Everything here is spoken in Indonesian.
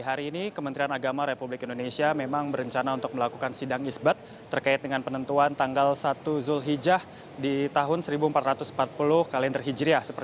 hari ini kementerian agama republik indonesia memang berencana untuk melakukan sidang isbat terkait dengan penentuan tanggal satu zulhijjah di tahun seribu empat ratus empat puluh kalender hijriah